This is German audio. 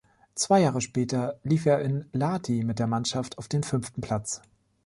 Zwei Jahre später lief er in Lahti mit der Mannschaft auf den fünften Platz.